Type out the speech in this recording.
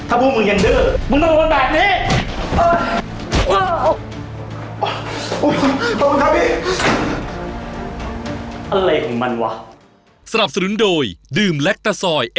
ถ้าพูดมึงอย่างเดิมมึงต้องโดนแบบนี้